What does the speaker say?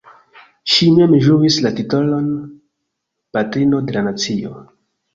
Ŝi mem ĝuis la titolon "Patrino de la Nacio".